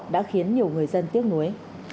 đã khiến nhiều người dân tiếc nuối